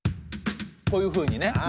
こういうふうにね。